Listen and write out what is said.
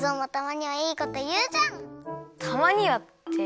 たまにはって。